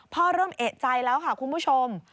เริ่มเอกใจแล้วค่ะคุณผู้ชม